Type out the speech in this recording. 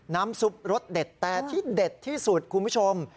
น้ำซุปรสเด็ดแต่ที่เด็ดที่สุดคุณผู้ชม